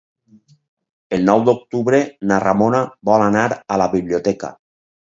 El nou d'octubre na Ramona vol anar a la biblioteca.